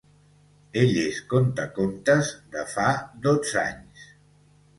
Ell és contacontes de fa dotze anys